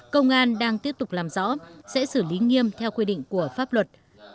công an đang tiếp tục làm rõ sẽ xử lý nghiêm theo quy định của pháp luật